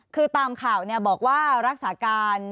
คือตามข่าวบอกว่ารักษาการ